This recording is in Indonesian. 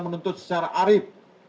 menuntut secara arif